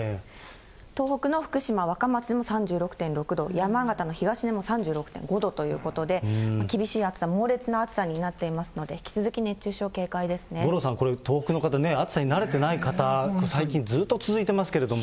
東北の福島・若松でも３６．６度、山形の東根も３６．５度ということで、厳しい暑さ、猛烈な暑さになっていますので、引き続き熱中五郎さん、これ、東北の方ね、暑さに慣れてない方、最近ずっと続いてますけれども。